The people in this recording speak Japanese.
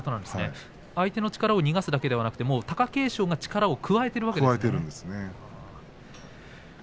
相手の力を逃がすだけでなく、貴景勝が力を加えているん加えているんですね。